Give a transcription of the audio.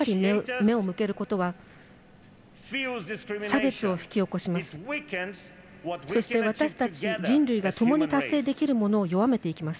目を向けることは差別を引き起こします。